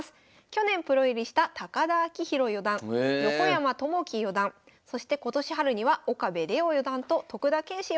去年プロ入りした田明浩四段横山友紀四段そして今年春には岡部怜央四段と徳田拳士